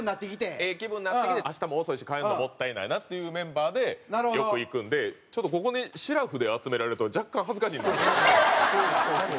ええ気分なってきて明日も遅いし帰るのもったいないなっていうメンバーでよく行くんでちょっとここにシラフで集められると若干恥ずかしいんですけども。